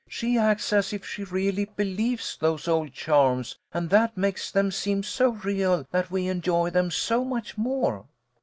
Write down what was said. " She acts as if she really believes those old charms, and that makes them seem so real that we enjoy them so much more."